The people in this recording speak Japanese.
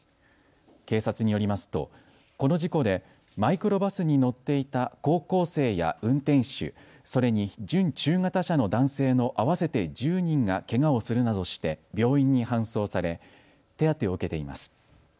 警察によりますとこの事故でマイクロバスに乗っていた高校生や運転手それに準中型車の男性の合わせて１０人がけがをするなどして病院に搬送され手当てを受けています。